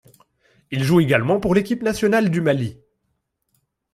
Il joue également pour l'équipe nationale du Mali.